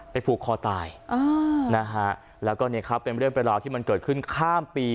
ผูกคอตายอ่านะฮะแล้วก็เนี่ยครับเป็นเรื่องเป็นราวที่มันเกิดขึ้นข้ามปี